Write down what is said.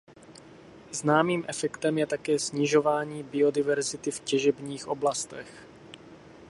Známým efektem je také snižování biodiverzity v těžebních oblastech.